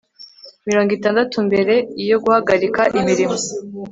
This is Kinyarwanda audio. mirongo itandatu mbere yo guhagarika imirimo